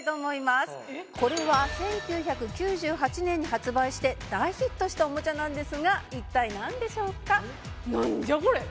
これは１９９８年に発売して大ヒットしたオモチャなんですが一体なんでしょうか？